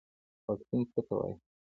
واکسین څه ته وایي